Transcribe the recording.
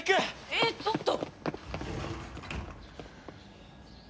えっちょっと！